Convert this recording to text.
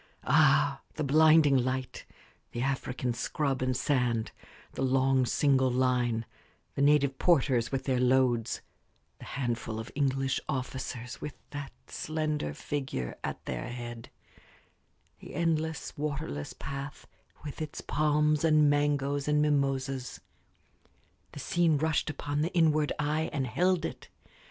Ah, the blinding light the African scrub and sand the long, single line the native porters with their loads the handful of English officers with that slender figure at their head the endless, waterless path with its palms and mangoes and mimosas the scene rushed upon the inward eye and held it.